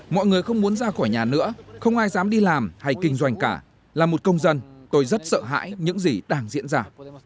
mọi người không muốn ra khỏi nhà nữa không ai dám đi làm hay kinh doanh cả là một công dân tôi rất sợ hãi những gì đang diễn ra